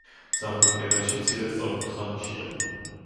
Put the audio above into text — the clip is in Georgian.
სამხრეთ კედელში მცირე სწორკუთხა ნიშია.